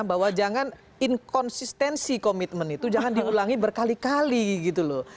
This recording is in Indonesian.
bahwa jangan inkonsistensi komitmen itu jangan diulangi berkali kali gitu loh